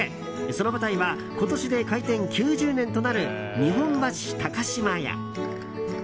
その舞台は今年で開店９０年となる日本橋高島屋。